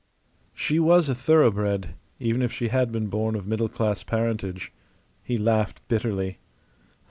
She was a thoroughbred, even if she had been born of middle class parentage. He laughed bitterly.